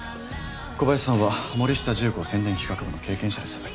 小林さんはモリシタ重工宣伝企画部の経験者です。